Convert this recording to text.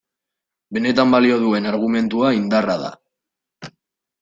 Benetan balio duen argumentua indarra da.